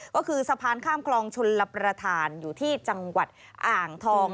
ก็คือสะพานข้ามคลองชนรับประทานอยู่ที่จังหวัดอ่างทอง